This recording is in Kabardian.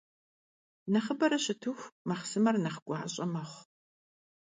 Нэхъыбэрэ щытыху, махъсымэр нэхъ гуащIэ мэхъу.